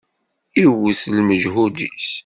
Iwwet lmeǧhud-is.